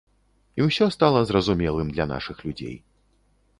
І ўсё стала зразумелым для нашых людзей.